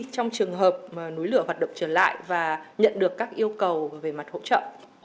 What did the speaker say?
trong trường hợp núi lửa hoạt động trở lại và nhận được các yêu cầu về mặt hỗ trợ